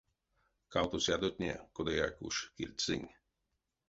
Кавтосядотнень кодаяк уш кирдьсынь.